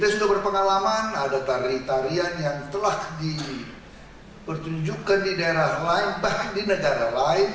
saya sudah berpengalaman ada tarian tarian yang telah dipertunjukkan di daerah lain bahkan di negara lain